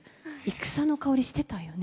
戦の香りしてたよね？